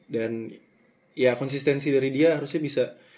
dan ya konsistensi dari dia harusnya bisa